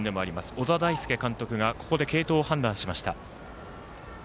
小田大介監督がここで継投を判断しました。